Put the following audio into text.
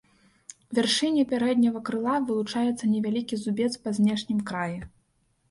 У вяршыні пярэдняга крыла вылучаецца невялікі зубец па знешнім краі.